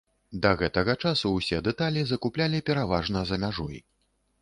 Да гэтага часу ўсе дэталі закуплялі пераважна за мяжой.